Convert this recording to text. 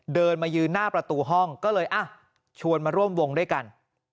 เดินมายืนหน้าประตูห้องก็เลยชวนมาร่วมวงด้วยกัน